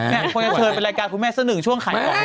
คุณแม่ผู้จัดเชิญไปรายการคุณแม่สักหนึ่งช่วงคายของคุณแม่นะ